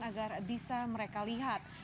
agar bisa mereka lihat